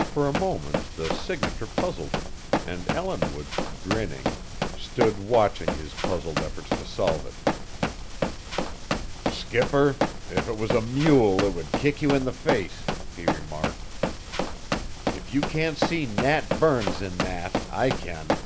For a moment the signature puzzled him, and Ellinwood, grinning, stood watching his puzzled efforts to solve it. "Skipper, if it was a mule it would kick you in the face," he remarked. "If you can't see Nat Burns in that, I can.